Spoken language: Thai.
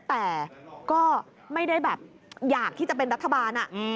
แต่ก็ไม่ได้แบบอยากที่จะเป็นรัฐบาล